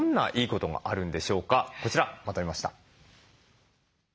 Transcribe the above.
こちらまとめました。